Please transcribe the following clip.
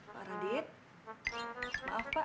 kalaupun tidur biasanya gak ngorok begini